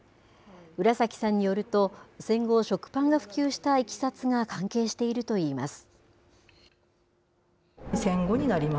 浦崎さんによると、戦後、食パンが普及したいきさつが関係しているといいます。